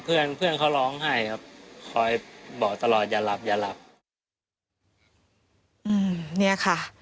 อืมเนี่ยค่ะ